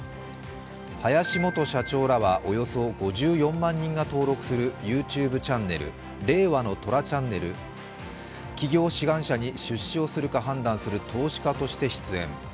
林元社長らは、およそ５４万人が登録するＹｏｕＴｕｂｅチャンネル令和の虎ＣＨＡＮＮＥＬ、起業志願者に出資をするか判断する投資家として出演。